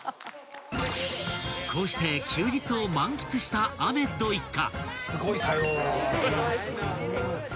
［こうして休日を満喫したアメッド一家］